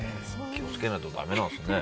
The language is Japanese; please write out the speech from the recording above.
気を付けないとだめなんですね。